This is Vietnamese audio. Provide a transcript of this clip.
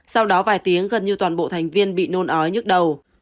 sau đó vài tiếng gần như toàn bộ thành viên bị nôn ói nhức đầu